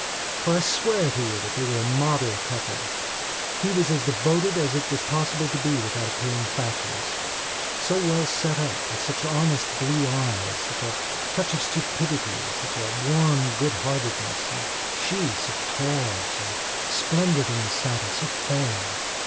For I swear to you that they were the model couple. He was as devoted as it was possible to be without appearing fatuous. So well set up, with such honest blue eyes, such a touch of stupidity, such a warm goodheartedness! And sheso tall, so splendid in the saddle, so fair!